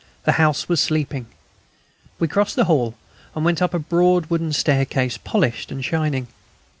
The house was sleeping. We crossed the hall, and went up a broad wooden staircase, polished and shining.